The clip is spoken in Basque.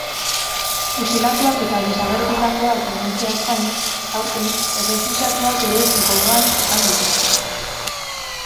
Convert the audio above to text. Fusilatuak eta desagertutakoak omentzeaz gain, aurten, errefuxiatuak ere gogoan izan dituzte.